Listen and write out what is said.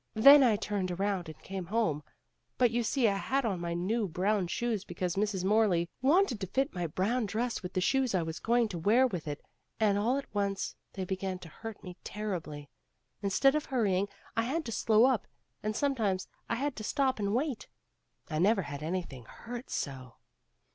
"Then I turned around and came home. But you see I had put on my new brown shoes because Mrs. Morley wanted to fit my brown dress with the shoes I was going to wear with it, and all at once they began to hurt me terribly. Instead of hurrying I had to slow up, and sometimes I had to stop and wait. I never had anything hurt so."